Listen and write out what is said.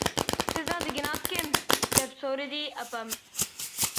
-سىزنىڭ دېگىنىڭىز كىم؟ -دەپ سورىدى ئاپام.